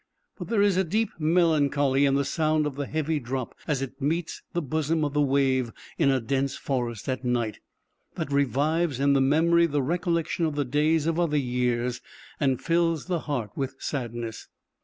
But there is a deep melancholy in the sound of the heavy drop as it meets the bosom of the wave in a dense forest at night, that revives in the memory the recollection of the days of other years, and fills the heart with sadness.